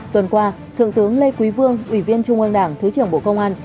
tuần qua thượng tướng lê quý vương ủy viên trung ương đảng thứ trưởng bộ công an